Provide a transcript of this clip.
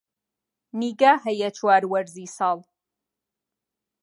نیگا هەیە چوار وەرزی ساڵ